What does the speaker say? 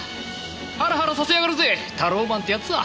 ハラハラさせやがるぜタローマンってやつは。